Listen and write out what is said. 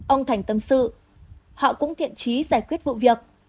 ông thành tâm sự họ cũng thiện trí giải quyết vụ việc